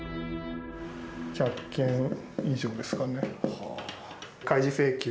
１００件以上ですかね。